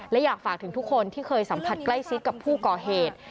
และอยากฝากถึงทุกคนที่เคยสัมผัสใกล้ชิดกับผู้ก่อเหตุ